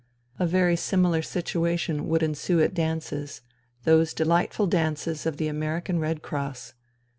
A very similar situation would ensue at dances, those delightful dances of the American Red Cross.